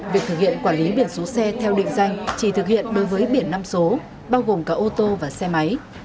việc thực hiện quản lý biển số xe theo định danh chỉ thực hiện đối với biển năm số bao gồm cả ô tô và xe máy